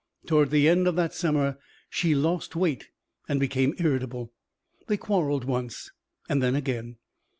Toward the end of that summer she lost weight and became irritable. They quarrelled once and then again.